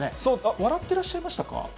笑ってらっしゃいましたか？